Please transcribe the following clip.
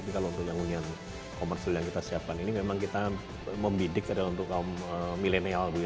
tapi kalau untuk yang hunian komersil yang kita siapkan ini memang kita membidik adalah untuk kaum milenial bu ya